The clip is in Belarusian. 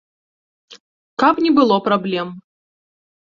Каб не было праблем.